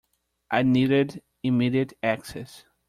I needed immediate access.